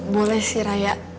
boleh sih raya